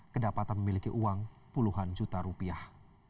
kedapatan memiliki uang puluhan juta rupiah